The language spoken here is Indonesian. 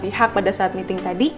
pihak pada saat meeting tadi